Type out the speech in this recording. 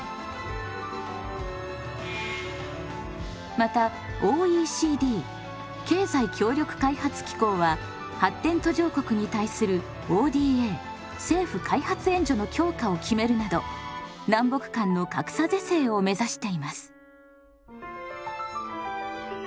またＯＥＣＤ経済協力開発機構は発展途上国に対するＯＤＡ政府開発援助の強化を決めるなど南北間の格差是正を目指しています。